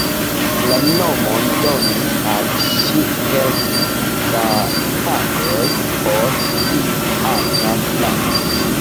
La nomon donis al ŝi kelke da tagoj poste pli aĝa frato.